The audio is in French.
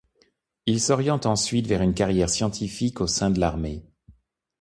Il s'oriente ensuite vers une carrière scientifique au sein de l'armée.